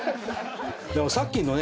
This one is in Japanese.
でもさっきのね